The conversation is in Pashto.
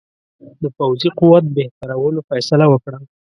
د پوځي قوت بهترولو فیصله وکړه.